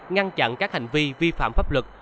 ngăn chặn các hành vi vi phạm pháp luật